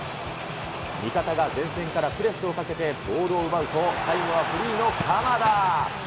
味方が前線からプレスをかけてボールを奪うと、最後はフリーの鎌田。